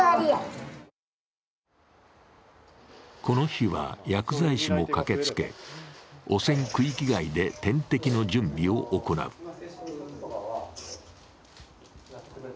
この日は薬剤師も駆けつけ、汚染区域外で点滴の準備を行う。